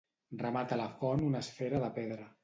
Remata la font una esfera de pedra.